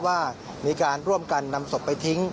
ว่ามีการร่วมกันนำศพไปทิ้ง